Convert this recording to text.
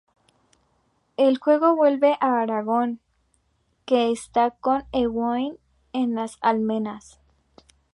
El juego vuelve a Aragorn, que está con Éowyn en las almenas.